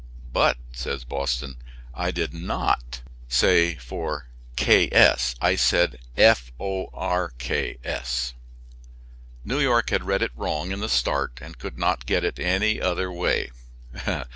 "But," says Boston, "I did not say for K. S.; I said f o r k s." New York had read it wrong in the start and could not get it any other way.